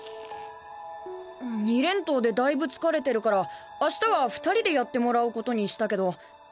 ２連投でだいぶ疲れてるからあしたは２人でやってもらうことにしたけどそれも睦子のためだし。